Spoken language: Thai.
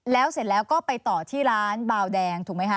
แล้วเสร็จแล้วก็ไปต่อที่ร้านบาวแดงถูกไหมคะ